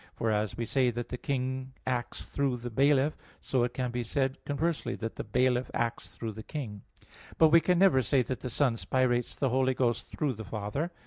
For as we say that the king acts through the bailiff, so it can be said conversely that the bailiff acts through the king. But we can never say that the Son spirates the Holy Ghost through the Father.